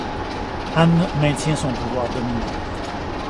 Anne maintient son pouvoir dominant.